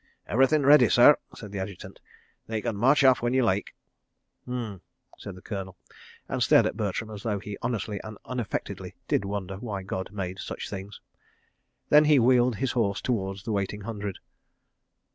"Everything ready, sir," said the Adjutant. "They can march off when you like." "H'm!" said the Colonel, and stared at Bertram as though he honestly and unaffectedly did wonder why God made such things. He then wheeled his horse towards the waiting Hundred.